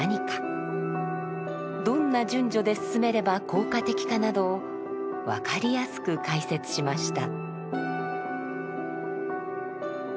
どんな順序で進めれば効果的かなどを分かりやすく解説しました。